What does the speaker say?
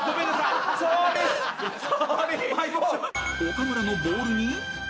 ［岡村のボールに］